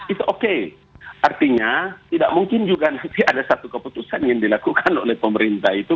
itu oke artinya tidak mungkin juga nanti ada satu keputusan yang dilakukan oleh pemerintah itu